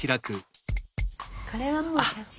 これはもう「写真」って。